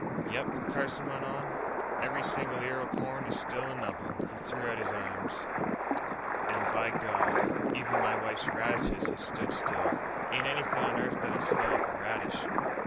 "Yep," Carson went on, "every single ear o' corn is still a nubbin." He threw out his arms. "And, by God, even my wife's radishes has stood still. Ain't anything on earth that'll slow up a radish."